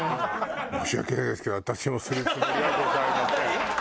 申し訳ないですけど私もするつもりはございません。